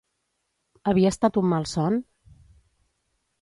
Havia estat un malson?